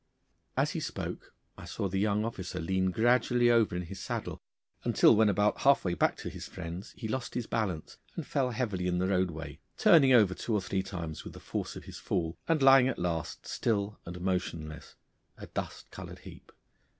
As he spoke I saw the young officer lean gradually over in his saddle, until, when about half way back to his friends, he lost his balance and fell heavily in the roadway, turning over two or three times with the force of his fall, and lying at last still and motionless, a dust coloured heap.